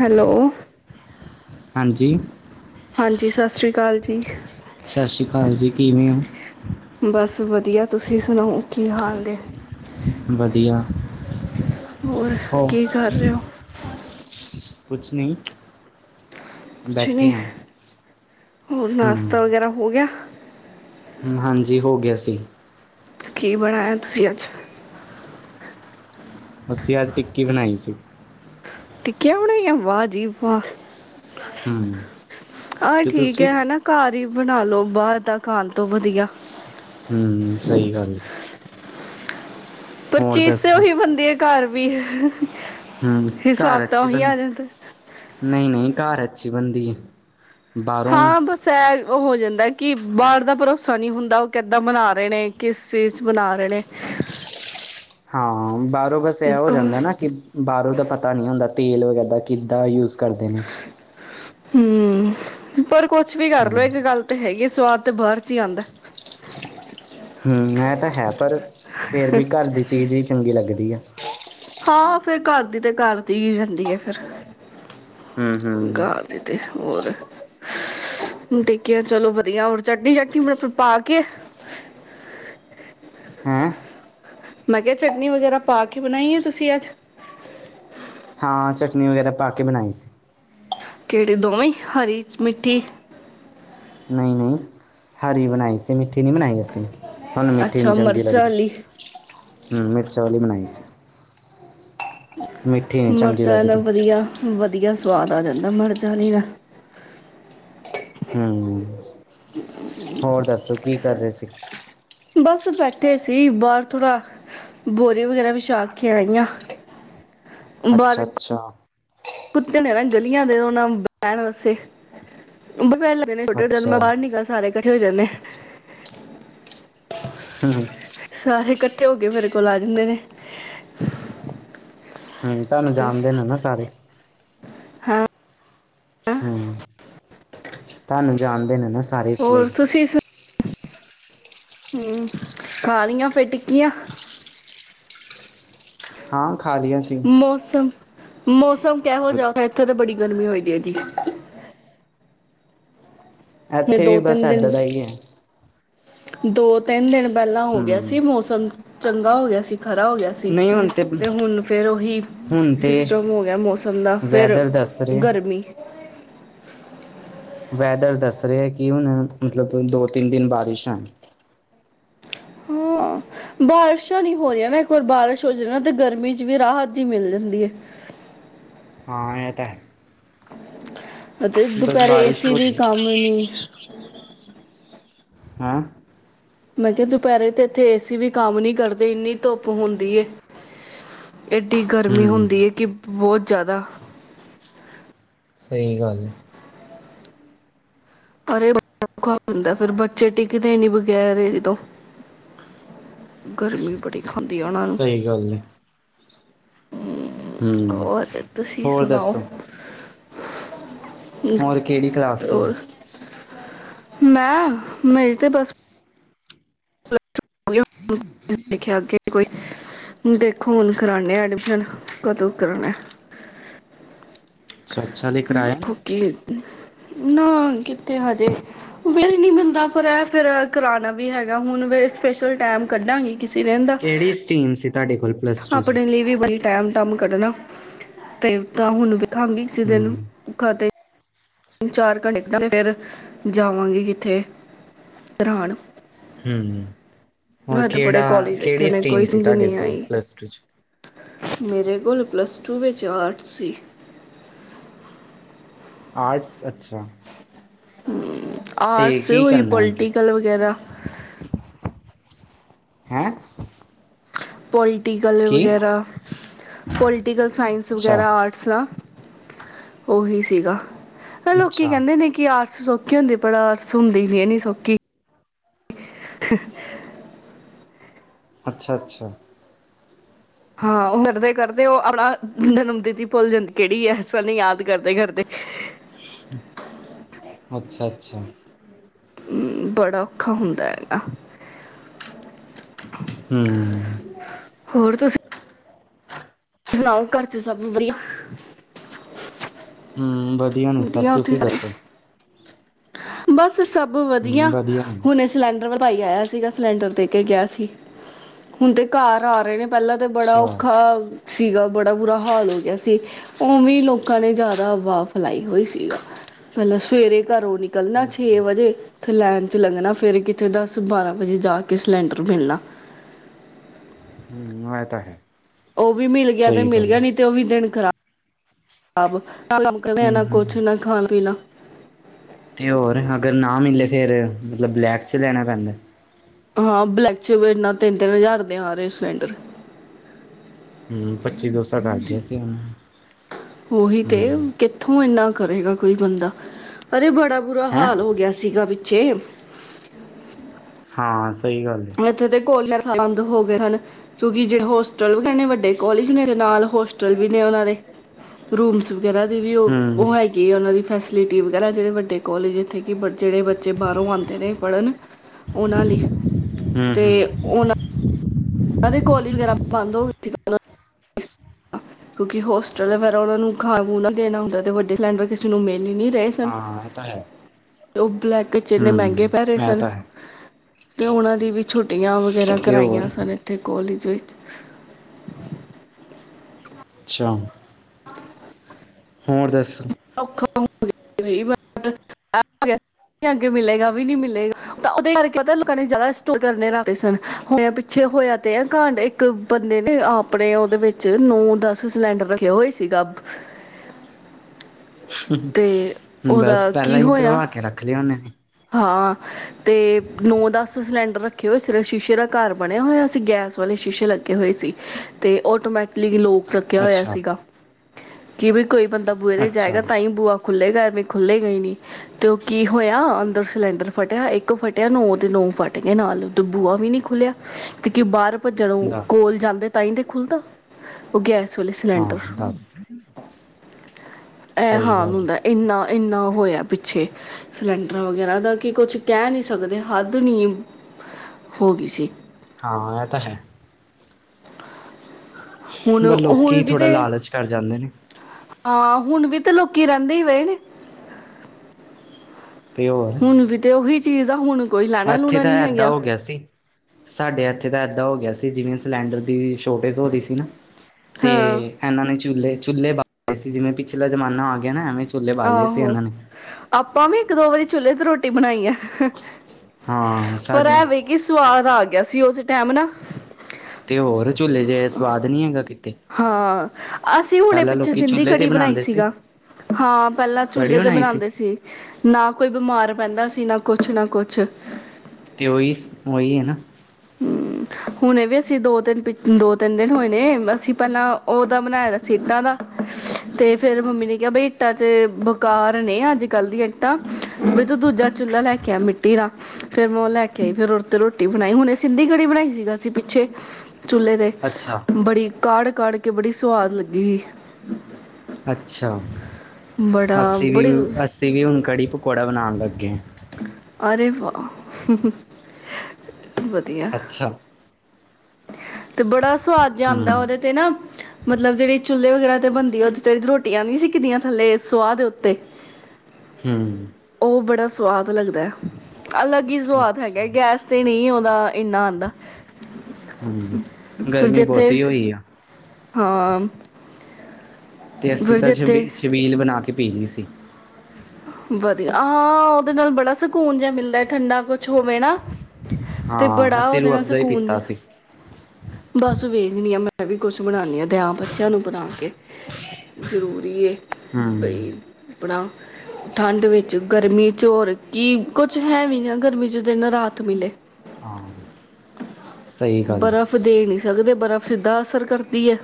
Hello. ਹਾਂਜੀ। ਹਾਂਜੀ ਸਸ੍ਰੀ ਕਾਲ ਜੀ। ਸਸੀ ਕਾਲ ਜੀ, ਕਿਵੇਂ ਓ? ਬਸ ਵਦੀਆ, ਤੁਸੀਂ ਸੁਣਾਓ ਕੀ ਹਾਲ ਨੇ? ਵਦੀਆ, ਹੋਰ ਓ। ਕੀ ਕਰ ਰਹੇ ਹੋ ਕੁਛ ਨਈ। ਕੁਛ ਬੈਠੇ ਨਹੀਂ ਆ। ਹੋਰ ਨਾਸ਼ਤਾ ਵਗੈਰਾ ਹੋ ਗੇਆ। ਹੂੰ ਹਾਂਜੀ, ਹੋ ਗੇਆ ਸੀ। ਕੀ ਬਣਾਇਆ ਤੁਸੀਂ ਅੱਜ? ਅਸੀਂ ਅੱਜ ਟਿੱਕੀ ਬਨਾਈ ਸੀ। ਟਿੱਕੀਆ ਬਨਾਇਆ, ਵਾ ਜੀ ਵਾਹ। ਹੂੰ ਆਹ ਤੇ ਠੀਕ ਤੁਸੀਂ ਐ ਹਨਾ, ਘਰ ਹੀ ਬਨਾਲੋ। ਬਾਰ ਦਾ ਖਾਨ ਤੋਂ ਵਦੀਆ। ਹੂੰ ਸਹੀ ਗੱਲ ਏ। ਪਰ ਚੀਜ ਤੇ ਦੱਸੋ ਉਹੀ ਬਣਦੀ ਐ ਘਰ ਵੀਅ ਹਹ। ਹੂੰ, ਘਰ ਅੱਛੀ ਬਣ, ਨਹੀਂ ਨਹੀਂ ਘਰ ਅ ਅੱਛੀ ਬਣਦੀ ਏ। ਹਾਂ ਬਸ ਐ ਉਹ ਹੋ ਜਾਂਦਾ ਕਿ ਬਾਹਰ ਦਾ ਭਰੋਸਾ ਨਹੀ ਹੁੰਦਾ, ਉਹ ਕਿੱਦਾਂ ਬਣਾ ਰਹੇ ਨੇ, ਕਿਸ ਚੀਜ਼ ਚ ਬਣਾ ਰਹੇ ਨੇ। ਹਾਂ [unintelligible] ਹਰੋਂ ਬਸ ਇਹ ਹੋ ਜਾਂਦਾ ਨਾ ਕਿ ਬਾਹਰੋਂ ਦਾ ਪਤਾ ਨਹੀ ਹੁੰਦਾ। ਤੇਲ ਵਗੈਰਾ ਕਿੱਤਾ ਯੂਜ। ਕਰਦੇ ਨੇ। ਹੂੰ ਪਰ ਕੁ ਕੁਛ ਵੀ ਕਰ ਲਓ ਇੱਕ ਗੱਲ ਤੇ ਹੈਗੀ ਸਵਾਦ ਤੇ ਬਾਰ ਚ ਹੀ ਆਂਦਾ। ਹੂੰ ਐ ਤਾਂ ਹੈ ਪਰ ਫੇਰ ਵੀ ਘਰ ਦੀ ਚੀਜ਼ ਹੀ ਚੰਗੀ ਲੱਗਦੀ ਐ। [unintelligible] ਹਾਂ ਫੇਰ ਘਰ ਦੀ ਤੇ ਘਰ ਦੀ ਰਹਿੰਦੀ ਹੈ ਫਿਰ। ਹੂੰ ਹੂੰ [unintelligible] ਤੇ ਹੋਰ। ਟੇਕਿਆ ਚਲੋ ਵਧੀਆ ਹੋਰ ਚਟਨੀ ਚਟਨੀ ਮਤਲਬ ਪਾ ਕੇ ਹੈਂ। ਮੈਂ ਕੇਆ ਚਟਨੀ ਵਗੈਰਾ ਪਾ ਕੇ ਬਣਾਈ ਆਂ ਤੁਸੀਂ ਅੱਜ ਹਾਂ ਚਟਨੀ ਵਗੈਰਾ ਪਾ ਕੇ ਬਣਾਈ ਸੀ। ਕੇੜੇ ਦੋਵੇਂ ਹਰੀ ਮਿੱਠੀ ਨਈਂ-ਨਈਂ, ਹਰੀ ਬਣਾਈ ਸੀ ਮਿੱਠੀ ਮਿੱਠੀ ਨੀ ਬਣਾਈ ਅਸੀਂ ਤੁਆਨੂੰ ਮਿੱਠੀ ਨੀ ਅੱਛਾ ਚੰਗੀ ਮਿਰਚਾਂ ਲੱਗਦੀ, ਆਲੀ। ਹੰਮ ਮਿਰਚਾਵਲੀ ਬਣਾਈ ਸੀ। ਮਿੱਠੀ ਨਹੀਂ ਚੰਗੀ ਮਰਚਾ ਏਨਾ ਲੱਗਦੀ ਵਧੀਆ ਵਧੀਆ ਸਵਾਦ ਆ ਜਾਂਦਾ ਮਰਚਾਂਂ ਆਂਲੀ ਦਾ ਹੁੰ। ਹੋਰ ਦੱਸੋ ਕੀ ਕਰ ਰਏ ਸੀ? ਬਸ ਬੈਠੇ ਸੀ ਬਾਰ ਥੁੜਾ, ਬੋਰੀ ਵਗੈਰਾ ਵਿਛਾ ਕੇ ਆਂਈ ਆਂ। ਅੱਛਾ-ਅੱਛਾ। ਕੁੱਤੇ ਨੇ ਨਾ ਗਲੀਆਂ ਦੇ ਓਨਾਂ ਨੂੰ ਬੈਣ ਵਸੇ ਅੱਛਾ [unintelligible] ਸਾਰੇ ਇਕੱਠੇ ਹੋ ਜਾਂਨੇ। ਹੂੰ ਸਾਰੇੇ ਕੱ ਕੱਠੇ ਹੋ ਕੇ ਮੇਰੇ ਕੋਲ ਆ ਜਾਂਦੇ ਨੇ। ਹੂੰ, ਤਾਨੂੰ ਤੇ ਜਾਣਦੇ ਨੇ ਨਾ ਸਾਰੇ। ਹਾਂ। ਹੂੰ। ਤੁਆਨੂੰ ਜਾਣਦੇ ਨੇ ਨਾ ਸ ਸਾਰੇ ਇਸ ਲਈ। ਹੋਰ ਤੁਸੀਂ ਸ ਹੂੰ। ਖਾਲੀ਼ਆ ਫੇਰ ਟਿੱਕੀਆਂ? ਹਾਂ ਖਾ ਲੀਆਂ ਸੀ। ਮੌਸ ਸ ਕੇਹੋ ਵਧ- ਜਾ ਥ ਐਥੇ ਤਾਂ ਬੜੀ ਗਰਮੀ ਹੋਈ ਦੀ ਐ ਜੀ। ਮੈਂ ਐਥੇ ਦੋ ਬਸ ਤਿੰਨ ਐਦਾਂ ਦਿਨ ਦਾ ਈ ਐਂ। ਦੋ, ਤਿੰਨ ਦਿਨ ਪੈਲਾਂ ਹੋ ਗੇਆ ਸੀ ਹੂੰ ਮੋਸਮ ਚੰਗਾ ਹੋ ਗੇਆ ਸੀ। ਖਰਾ ਹੋ ਗੇਆ ਸੀ। ਨਹੀਂ ਹੁਣ ਤੇ ਹੁਨ ਫੇਰ ਓਹੀ, ਹੁਣ ਤੇ ਸਿਸਟਮ ਹੋ ਗੇਆ ਮੋਸਮ ਦਾ ਫੇਰ ਵੈਦਰ ਦੱਸ ਰਹੇ ਗਰਮੀ। [unintelligible] ਵੈਦਰ ਦੱਸ ਰੇਆ ਕਿ ਹੁਨ ਮਤਲਬ ਦੋ, ਤਿੰਨ ਦਿਨ ਬਾਰਿਸ਼ ਆਨੀ। ਹਾਂ, ਬਾਰਿਸ਼ਾਂ ਨੀ ਹੋ ਰਹੀਆਂ ਨਾ ਇੱਕ ਵਾਰ ਬਾਰਿਸ਼ ਹੋਜੇ ਨਾ ਤੇ ਗਰਮੀ ਚ ਵੀ ਰਾਹਤ ਜੀ ਮਿਲ ਜਾਂਦੀ ਏ। ਹਾਂ ਇਹ ਤਾਂ ਹੈ। [unintelligible] ਅਤੇ ਬਸ ਦੁਪਹਿਰੇ ਬਾਰਿਸ਼ ਏਸੀ ਹੋ ਵੀ ਜੇ ਕੰਮ ਨੀ ਹੈਂ। ਮੈਂ ਕਿਹਾ ਦੁਪਹਿਰੇ ਤੇ ਇੱਥੇ ਏਸੀ ਵੀ ਕੰਮ ਨੀ ਕਰਦੇ ਇੰਨੀ ਧੁੱਪ ਹੁੰਦੀ ਏ। ਐਡੀ ਗਰਮੀ ਹੂੰ ਹੁੰਦੀ ਐ ਕਿ ਬਹੁਤ [unintelligible] ਸਹੀ ਗੱਲ ਹੈ। ਅਰੇ [unintelligible] ਔਖਾ ਹੁੰਦਾ ਫਿਰ ਬੱਚੇ ਟਿਕਦੇ ਨੀ ਬਗੈਰ ਏਤੋਂ ਗਰਮੀ ਬੜੀ ਖਾਂਦੀ ਆ ਉਹਨਾਂ ਨੂੰ ਹਮ ਔਰ ਤੁਸੀਂ ਹੋਰ ਸੁਣਾਓ ਦੱਸੋ। ਹੋਰ ਕਿਹੜੀ ਕਲਾਸ ਚ ਔ ਹੋਰ ਮੈਂ, ਮੇਰੀ ਤੇ ਬਸ [unintelligible] [unintelligible] ਦੇਖਿਆ ਅੱਗੇ ਕੋਈ, ਦੇਖੋ ਹੁਣ ਕਰਾਨੇ ਆ ਐਡਮਿਸ਼ਨ ਕਦੋਂ ਕਰਾਣਾ। ਅੱਛਾ ਅੱਛਾ ਲੇ ਕਰਾਇਆ ਨ। ਦੇਖੋ ਕੀ ਨਾ ਕਿੱਥੇ ਹਜੇ ਵੇਲ ਨਹੀਂ ਮਿਲਦਾ ਪਰ ਇਹ ਫਿਰ ਕਰਾਣਾ ਵੀ ਹੈਗਾ ਹੁਣ ਸਪੈਸ਼ਲ ਟਾਈਮ ਕੱਢਾਂਗੀ। ਕਿਸੀ ਰਹਿੰਦਾ। ਕਿਹੜੀ ਸਟ੍ਰੀਮ ਸੀ ਤੁਹਾਡੇ ਕੋਲ। ਪਲੱਸ 'ਚ ਆਪਣੇ ਲਈ ਵੀ ਬੜੀ ਟੈਮ ਕੰਮ ਕੱਢਣਾ ਤੇ ਤਾਂ ਹੁਣ ਵੀ ਹਾਂਗੀ ਸੀ ਹੂੰ [unintelligible] ਖਾਤੇ ਤਿੰਨ-ਚਾਰ ਘੰਟੇ ਫਿਰ ਜਾਵਾਂਗੀ ਕਿੱਥੇ ਰਾਨ ਹ ਹੋਰ ਕਿਹੜਾ ਕਾਲਜ ਵੇਖੇ ਕਿਹੜੀ ਨੇ ਸਟੀਮ ਕੋਈ ਸੀ ਸਮਝ ਤੁਹਾਡੇ ਨਹੀਂ ਕੋਲ ਆਈ ਪਲੱਸ ਟੂ ਚ। ਮੇਰੇ ਕੋਲ ਪਲੱਸ ਟੂ ਵਿੱਚ ਆਰਟਸ ਸੀ। ਆਰਟਸ ਅੱਛਾ। ਹਮ ਤੇ ਆਰਟਸ ਕੀ ਹੋਈ ਕਰਨਾ ਅੱਗੇ ਪੋਲੀਟੀਕਲ ਵਗੈਰਾ ਹੈਂ? ਪੋਈ ਪੋਟੀਕਲ ਕੀ ਵਗੈਰਾ ਪੋਲਟੀਕਲ ਸਾਇੰਸ ਅੱਛਾ ਵਗੈਰਾ ਆਰਟਸ ਦਾ ਉਹੀ ਸੀਗਾ। ਹਰ ਅੱਛਾ ਲੋਕੀ ਅੱਛਾ ਕਹਿੰਦੇ ਨੇ ਕਿ ਆਸ ਸੌਖੀ ਹੁੰਦੀ ਪਰ ਹੁੰਦੀ ਨੀ ਇਨੀ ਸੌਖੀ ਅੱਛਾ-ਅੱਛਾ ਹਾਂ, ਉਹ ਕਰਦੇ ਕਰਦੇ ਉਹ ਆਪਣਾ ਜਨਮ ਤਿੱਥੀ ਭੁੱਲ ਜਾਂਦੀ ਕਿਹੜੀ ਹੈ ਸਨ ਯਾਦ ਕਰਦੇ, ਕਰਦੇ ਅੱਛਾ-ਅੱਛਾ ਬੜਾ ਔਖਾ ਹੁੰਦਾ ਹੈਗਾ ਹ ਹੋਰ ਤੁਸੀਂ ਸੁਣਾਓ ਘਰ ਚ ਸਭ ਵਧੀਆ। ਹੁੰ ਵਧੀਆ ਨੇ ਸਭ ਤੁਸੀਂ ਦੱਸੋ। ਬੱਸ ਸਭ ਵਧੀਆ ਹੂੰ ਨੇ ਹੁਣੇ ਸਿਲੰਡਰ ਵਾ ਭਾਈ ਆਇਆ ਸੀਗਾ ਸਿਲੰਡਰ ਦੇ ਕੇ ਗਿਆ ਸੀ ਹੁਣ ਤੇ ਘਰ ਆ ਰਹੇ ਨੇ ਪਹਿਲਾਂ ਤੇ ਬੜਾ ਅੱਛਾ ਔਖਾ ਹੂੰ, ਸੀਗਾ। ਬੜਾ ਬੁਰਾ ਹਾਲ ਹੋ ਗਿਆ ਸੀ। ਉਵੇਂ ਲੋਕਾਂ ਨੇ ਜ਼ਿਆਦਾ ਹਵਾ ਫੈਲਾਈ ਹੋਈ ਸੀ। ਪਹਿਲਾਂ ਸਵੇਰੇ ਘਰੋ ਨਿਕਲਨਾ ਛੇ ਵਜੇਂ ਉਥੇ ਲਾਈਨ ਲਗਣਾ ਫੇਰ ਕਿਤੇ ਦਸ-ਬਾਰਾਂ ਵਜੇ ਜਾ ਕੇ ਸਿਲੰਡਰ ਮਿਲਣਾ। ਹੁੰ ਇਹ ਤਾਂ ਹੈ। ਉਹ ਵੀ ਮਿਲ ਗਿਆ ਤੇ ਸਹੀ ਮਿਲ ਗੱਲ ਗਿਆ ਏ ਨੀ ਤੇ ਉਹ ਵੀ ਦਿਨ ਖਰਾ ਅਬ [unintelligible] ਹੂੰ, ਨਾ ਹੂੰ ਕੁਛ ਨਾ ਖਾਣਾ, ਪੀਣਾ ਤੇ ਹੋਰ ਅਗਰ ਨਾ ਮਿਲੇ ਫਿਰ, ਮਤਲਬ ਬਲੈਕ ਚ' ਲੈਣਾ ਪੈਂਦਾ ਏ ਹਾਂ, ਬਲੈਕ ਚ' ਇਨਾ ਤਿੰਨ- ਤਿੰਨ ਹਜ਼ਾਰ ਦੇ ਆ ਰਏ ਸਿਲੰਡਰ ਹੁੰ ਪੱਚੀ ਦੋ ਸਾਂ ਕਰਕੇ ਸੀ ਓਹੀ ਤੇ ਹੂੰ ਕਿੱਥੋਂ ਇੰਨਾ ਕਰੇਗਾ ਕੋਈ ਬੰਦਾ, ਅਰੇ ਬੜ ੜਾ ਬੁਰਾ ਹੈਂ ਹਾਲ ਹੋ ਗਿਆ ਸੀਗਾ ਵਿੱਚ ਚੇ ਹਾਂ---ਸ ਇੱਥੇ ਦੇ ਕੋਲਰ ਬੰਦ ਹੋ ਗਏ ਹਨ। ਕਿਓੰਕਿ ਜਿਹ ਹੋਸਟਲ ਵੀ ਇਹੱਨੇ ਵੱਡੇ ਕੋਲਜ ਮੇਰੇ ਨਾਲ ਹੋਸਟਲ ਵੀ ਨੇ ਓਹਨਾਂ ਦੇ ਰੂਮਸ ਜਰਾ ਜੀ ਵੀ ਓਹ ਹੂੰ, ਓਹ ਹੈਗੀਏ ਓਹਨਾਂ ਦੀ ਫੈਸਲਿਟੀ ਵਗੈਰਾ, ਜਿਹੜੇ ਵੱਡੇ ਕਲੇਜ ਜਿਥੇਂ ਕਿ ਜਿਹੜੇ ਬੱਚੇ ਬਾਹਰੋਂ ਆਂਦੇ ਨੇ ਪੜ੍ਹਨ ਓਹਨਾਂ ਲਈ ਹੂੰ, ਤੇ ਹੂੰ ਓਹਨਾਂ ਸਾਰੇ ਕਾਲੇਜ ਵਗੈਰਾ ਬੰਦ ਹੋ ਗਏ ਸੀ, ਨਾ ਕਿਓਂਕਿ ਹੋਸਟਲ ਵਗੈਰਾ ਓਹਨਾਂ ਨੂੰ ਖਾਣ-ਖੁਣ ਨੂੰ ਦੇਣਾ ਹੁੰਦਾ ਵੱਡੇ ਸਿੰਲਡਰ ਕਿਸੇ ਨੂੰ ਮਿਲ ਹੀ ਹਾਂ ਇਹ ਤਾਂ ਹੈ ਤੇ ਓ ਬਲੈਕ [unintelligible] ਇੰਨੇ ਹੂੰ ਮਹਿੰਗੇ ਪੈ ਰਹੇ ਇਹ ਸਨ ਤਾਂ ਹੈ ਤੇ ਉਹਨਾਂ ਦੀ ਵੀ ਛੁੱਟੀਆਂ ਵਗੈਰਾ ਤੇ ਹੋਰ ਕਰਾਈਆਂ ਸਨ ਅਤੇ ਕੋਲੇਜ ਵਿੱਚ ਅੱਛਾ ਹੋਰ ਦੱਸ। [inaudible] ਤੇ ਉਹਦਾ ਬਸ ਪਹਿਲਾਂ ਕੀ ਹੀ ਹੋਇਆ ਭਰਵਾ ਕੇ ਰੱਖ ਲਏ ਉਹਨੇ। ਹਾਂ ਤੇ ਨੌ ਦਸ ਸਿਲੰਡਰ ਰੱਖੇ ਹੋਏ ਸਿਰ ਸ਼ੀਸ਼ੇ ਦਾ ਘਰ ਬਣਿਆ ਹੋਇਆ ਸੀਂ, ਗੈਸ ਵਾਲੇ ਸ਼ੀਸ਼ੇ ਲੱਗੇ ਹੋਏ ਸੀ ਤੇ ਆਟੋਮੈਟਲੀ ਲੋ ਰੱਖਿਆ ਹੋਇਆ ਅੱਛਾ, ਸੀਗਾ। ਕਿਵੇ? ਕੋਈ ਬੰਦਾ ਬੂਹੇ ਤੇ ਜਾਏਗਾ, ਅੱਛਾ ਤਾਂ ਹੀ ਬੂਹਾ ਖੁੱਲੇਗਾ ਐਵੇਂਈ ਖੁੱਲ੍ਹੇਗਾ ਨਹੀਂ। ਤੇ ਉਹ ਕੀ ਹੋਇਆ ਸਿਲੰਡਰ ਫਟਿਆ, ਇੱਕ ਫਟਿਆ ਨੋ ਦੇ ਨੋ ਫੱਟ ਗਏ ਨਾਲ, ਬੂਹਾ ਵੀ ਨੀ ਖੁੱਲਿਆ ਤੇ ਕੀ ਬਾਹਰ ਭੱਜਣੋਂ ਦੱਸ ਕੋਲ ਜਾਂਦੇ ਤਾਂ ਹੀ ਖੁੱਲਦਾ, ਉਹ ਗੈਸ ਖੁੱਲੇ ਸਿਲੰਡਰ। ਹਾਂ ਦੱਸ ਇਹ ਸਹੀ ਹਾਂ ਗੱਲ ਏ। ਹੁੰਦਾ ਇੰਨਾ ਇੰਨਾ ਹੋਇਆ ਪਿੱਛੇ, ਸਿਲੰਡਰ ਵਗੈਰਾ ਦਾ ਕਿ ਕੁਛ ਕਹਿ ਨਹੀਂ ਸਕਦੇ, ਹੱਦ ਨੀ ਹਾਂ, ਐ ਤਾਂ ਹੈ। ਹੁਣ ਪਰ ਹੁਣ ਲੋਕੀ, ਵੀ ਥੋੜਾ ਤੇ ਲਾਲਚ ਕਰ ਜਾਂਦੇ ਨੇ। ਹਾਂ, ਹੁਨ ਵੀ ਤੇ ਲੋਕੀ ਰੈਂਦੇ ਈ ਪਏ ਨੇ ਤੇ ਹੋਰ ਹੁਣ ਵੀ ਤੇ ਓਹੀ ਚੀਜ਼ ਆ ਹੁਣ ਕੋਈ ਲੈਣਾ ਇੱਥੇ ਲੂਣਾ ਤਾਂ ਨੀ ਏਦਾਂ ਹੈਗੀਆ। ਹੋ ਗਿਆ ਸੀ ਸਾਡੇ ਐਥੇ ਤਾਂ ਐਦਾਂ ਹੋ ਗੇਆ ਸੀ, ਜਿਵੇਂ ਸੇਲੰਡਰ ਦੀ ਛੋਟੇ ਧੋਰੀ ਸੀ ਨਾ, ਤੇ ਹਾਂ ਐਨਾਂ ਨੇ ਚੂਲੇ ਚੁੱਲੇ ਬਾਲਦੇ ਸੀ, ਜਿਵੇਂ ਪਿਛਲਾ ਜਮਾਨਾ ਆ ਗੇਆ ਨਾ ਐਵੇਂ ਚੁੱਲ੍ਹੇ ਬਾਲੇ ਸੀ ਆਹੋ, ਇਹਨਾਂ ਨੇ ਆਪਾਂ ਵੀ ਇੱਕ ਦੋ ਵਰੀ ਚੁੱਲ੍ਹੇ ਤੇ ਰੋਟੀ ਬਣਾਈ ਆ। ਹਾਂ ਪਰ, ਸਾਡੇ ਐ ਵੇ ਕੀ ਸੁਵਾਦ ਆ ਗੇ ਕਿਆ ਸੀ, ਓਸੇ ਟੈਮ ਨਾ ਤੇ ਹੋਰ ਝੂਲੇ ਜੇ ਸਵਾਦ ਨੀ ਹੈਗਾ, ਕਿਤੇ ਹਾਂ, ਆਸੀਂ ਹੁਣੇ ਪਹਿਲਾਂ ਪਿੱਛੇ ਲੋਕੀ ਸਿੰਧੀ ਚੁੱਲ੍ਹੇ ਤੇ ਕੜੀ ਬਣਾਈ ਬਣਾਉਂਦੇ ਸੀ ਸੀਗਾ ਹਾਂ, ਪੈਲਾਂ ਕੜੀ ਚੁੱਲੇ ਤੇ ਬਣਾਈ ਬਣਾਂਦੇ ਸੀ ਨਾ ਕੋਈ ਬਿਮਾਰ ਪੈਂਦਾ ਸੀ, ਨਾ ਕੁਛ ਨਾ ਕੁਛ ਤੇ ਉਹੀ ਉਹੀ ਹੈ ਨਾ ਹੂੰ ਹੁਣੇ ਵੀ ਅਸੀਂ ਦੋ ਤੇਂਨ, ਦੋ ਤੇੰਨ ਦਿਨ ਹੋਏ ਨੇ, ਅਸੀਂ ਪੈਲਾਂ ਓਦਾ ਬਣਾਇਆ ਸੀ ਇੱਟਾਂ ਦਾ, ਤੇ ਫੇਰ ਮੰਮੀ ਨੇ ਕੇਆ ਬਈ ਇੱਟਾਂ ਚ ਕਾਰ ਨੇ ਅੱਜ ਕੱਲ੍ਹ ਦੀਆਂ ਇੱਟਾਂ ਵੇ ਤੂੰ ਦੂਜਾ ਚੁੱਲਾ ਲੈ ਕੇ ਆ ਮਿੱਟੀ ਦਾ, ਫੇਰ ਮੈਂ ਓ ਲੈ ਕੇ, ਫੇਰ ਓਰ ਤੇ ਰੋਟੀ ਬਣਾਈ ਹੁਣੇ ਸਿੰਧੀ ਕੜੀ ਬਣਾਈ ਸੀਗੀ ਅਸੀਂ ਪਿੱਛੇ ਚੁੱਲੇ ਤੇ, ਅੱਛਾ ਬੜੀ ਕਾੜਕੇ ਕੜ ਕੇ ਬੜੀ ਸਵਾਦ ਲੱਗ੍ਹੀ। ਅੱਛਾ! ਬੜਾ ਅਸੀਂ ਵੀ ਬੜੀ ਅਸੀਂ ਵੀ ਹੁਣ ਕੜੀ ਪਕੌੜਾ ਬਣਾਨ ਲੱਗੇਆਂ। ਅਰੇ ਵਾਹ! ਹੂਂ ਹੂਂ ਵਧੀਆ। ਅੱਛਾ ਤੇ ਬੜ੍ਹਾ ਸਵਾਦ ਜੇਆ ਆਂਦਾ ਹੂੰ ਓਦੇ ਤੇ ਨਾ, ਮਤਲਬ ਓਦੇ ਵਿਚ ਚੁੱਲੇ ਵਗੈਰਾ ਤੇ ਬਣਦੀ ਆ ਉਥ ਤੇ ਰੋਟੀਆਂ ਨੀ ਸਿਕੀਦੀਆਂ, ਥੱਲੇ ਸੁਵਾਹ ਦੇ ਉੱਤੇ। ਹੰਮ। ਉਹ ਬੜਾ ਸਵਾਦ ਲੱਗਦੈ। ਅਲੱਗ ਈ ਸਵਾਦ ਹੈਗਾ ਅੱਛਾ ਐ ਗੈਸ ਤੇ ਨਈਂ ਓਦਾ ਏਨਾ ਆਂਦਾ। ਹੂਂ ਗਰਮੀ ਬੋਤੀ ਹੋਈ ਆ। ਹਾਂਮ। ਤੇ ਅਸੀਂ ਤਾਂ ਸ਼ਬੀ-ਸ਼ਬੀਲ ਬਣਾ ਕਿ ਪੀ ਲਈ ਸੀ ਵਧੀਆ ਆਂਹ ਉਹਦੇ ਨਾਲ ਬੜਾ ਸਕੂਨ ਜਾ ਮਿਲਦਾ ਏ। ਠੰਡਾ ਕੁ- ਹੋਵੇ ਨਾ ਤੇ ਹਾਂ ਬੜਾ ਅਸੀਂ ਓਹਦੇ ਰੂਹ ਨਾਲ ਅਫਜ਼ਾ ਹੀ ਸਕੂਨ ਪੀਤਾ ਜਿ, ਸੀ ਬਸ ਵੇਖਣੀ ਆ ਮੈਂ ਮੈਂ ਵੀ ਕੁਛ ਬਣੌਨੀਆ ਦਿਆ ਬੱਚਿਆਂ ਨੂੰ ਬਣਾ ਕੇ ਜਰੂਰੀ ਏ। ਹੂੰ ਭਈ ਬਣਾ ਠੰਡ ਵਿੱਚ ਗਰਮੀ ਚ ਹੋਰ ਕੀ ਕੁਛ ਹੈ ਵੀ ਨਾ ਗਰਮੀ ਚ ਦਿਨ ਰਾਤ ਮਿਲੇ। ਹਾਂ। ਸਹੀ ਗੱਲ ਏ। ਜਗ ਤੇ ਬਰਫ਼ ਸਿੱਧਾ ਅਸਰ ਕਰਦੀ ਏ।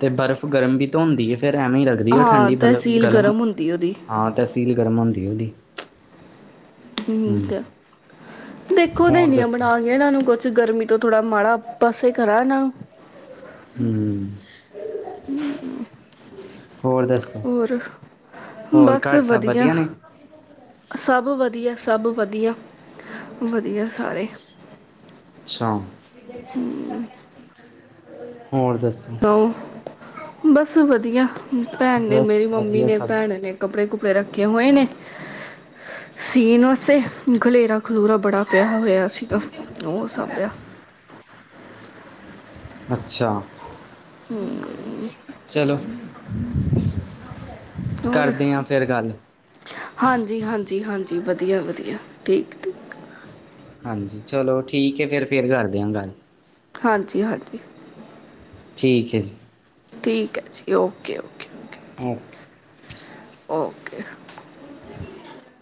ਤੇ ਬਰਫ਼ ਗਰਮ ਵੀ ਤੇ ਹੁੰਦੀ ਏ ਫਿਰ ਐਵੇਂ ਇ ਲੱਗਦੀ ਓਹ ਹਾਂ ਠੰਡੀ ਬਲਮ ਤਹਿਸੀਲ ਗਲਮ ਗਰਮ ਹੁੰਦੀ ਉਹਦੀ ਹਾਂ ਤਹਸੀਲ ਗਰਮ ਹੋੰਦੀ ਓਹਦੀ ਠੀਕ ਏ। ਦੇਖੋ ਹੋਰ ਦਿੰਣੀਆ ਦੱਸ ਬਣਾ ਕੇ ਇਹਨਾਂ ਨੂੰ ਕੁਛ। ਗਰਮੀ ਤੋਂ ਥੋੜਾ ਮਾੜਾ ਬਸ ਇਕ [unintelligible] ਹੂ। ਹੋਰ ਹੋਰ ਬਸ ਘਰ ਸਭ ਵਧੀਆ। ਨੇ ਸਭ ਵਧ ਧੀਆ। ਸਭ ਵਧੀਆ। [inaudible] [unintelligible] [inaudible] [unintelligible] ਹੋਰ ਦੱਸੋ ਸੁਣਾਓ ਬਸ ਵਧੀਆ ਭੈਣ ਨੇ ਬਸ ਮੇਰੀ ਮੰਮੀ ਵਧੀਆ ਨੇ ਸਭ ਭੈਣ ਨੇ ਕੱਪੜੇ [inaudible] ਕਿਓੰ- ਇਹਨੇ ਸੀਨੋ ਸੇ ਖਲੇਰਾ ਖਲੋਰਾ ਬੜਾ ਪਿਆ ਹੋਇਆ ਸਿਗਾ ਤੋ ਓ ਸਾਂਭਿਆ ਅੱਛਾ ਹਮ ਚਲੋ [unintelligible] ਹੋਰ ਕਰਦੇ ਆਂ ਫਿਰ ਗੱਲ ਜੀ ਹਾਂਜੀ ਵਧੀਆ ਵਧੀਆ-ਠੀਕ ਠੀਕ ਹਾਂਜੀ, ਚਲੋ ਠੀਕ ਏ ਫਿਰ, ਫਿਰ ਕਰਦੇ ਆ ਗਲ ਹਾਂਜੀ ਹਾਂਜੀ ਠੀਕ ਹੈ ਜੀ। ਠੀਕ ਐ ਜੀ ਓਕੇ ਓਕੇ। [inaudible] [unintelligible]